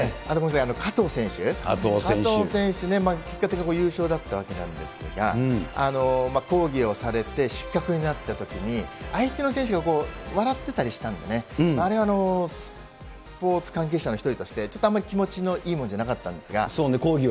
あとごめんなさい、加藤選手、加藤選手ね、結果的に優勝だったわけなんですが、抗議をされて、失格になったときに、相手の選手が笑ってたりしたんでね、あれ、スポーツ関係者の１人としてちょっとあんまり気持ちのいいものじゃなかったんですが。